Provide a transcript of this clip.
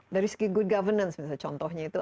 dari segi good governance misalnya contohnya itu